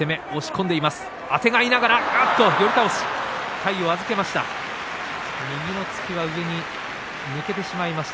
体を預けました。